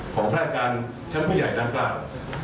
ของแพร่การชั้นผู้ใหญ่ด้านกล้าว